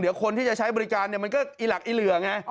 เดี๋ยวคนที่จะใช้บริการเนี่ยมันก็อีหลักอีเหลือไง